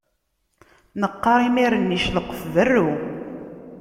Neqqaṛ imir-nni celqef berru.